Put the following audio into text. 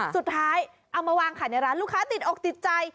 เอามาวางขายในร้านลูกค้าติดอกติดใจ